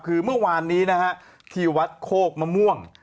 คือเมื่อวานนี้นะฮะที่วัดโคกมะม่วง